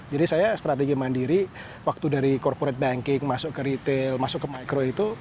jadi saya strategi mandiri waktu dari corporate banking masuk ke retail masuk ke micro itu